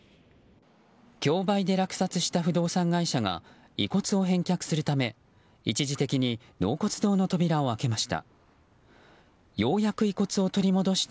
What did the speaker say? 競売で落札した不動産会社が遺骨を返却するため一時的に納骨堂の扉を開けました。